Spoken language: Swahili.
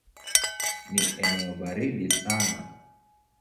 Ni eneo baridi sana.